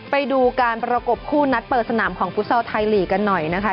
ไปดูการประกบคู่นัดเปิดสนามของฟุตซอลไทยลีกกันหน่อยนะคะ